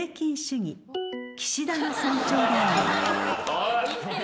おい。